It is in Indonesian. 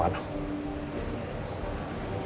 ga usah ketemu